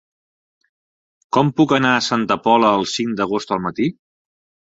Com puc anar a Santa Pola el cinc d'agost al matí?